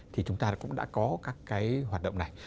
thì chúng ta cũng đã có các cái hoạt động này